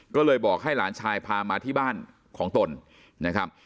ก็เลยบอกให้หลานชายพามาที่บ้านของตนนะครับ